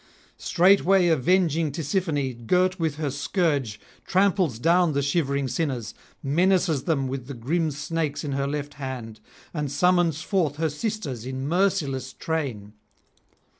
Straightway avenging Tisiphone, girt with her scourge, tramples down the shivering sinners, menaces them with the grim snakes in her left hand, and summons forth her sisters in merciless train.